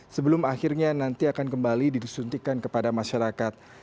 sebelum akhirnya nanti akan kembali disuntikan kepada masyarakat